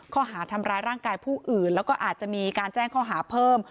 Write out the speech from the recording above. ข้อหาทำร้ายร่างกายผู้อื่นแล้วก็อาจจะมีการแจ้งข้อหาเพิ่ม